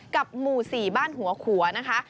หมู่๔บ้านหัวขัวนะคะ